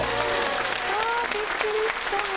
あーびっくりした。